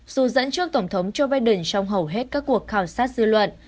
dù dẫn trước tổng thống joe biden trong hầu hết các cuộc khảo sát dư luận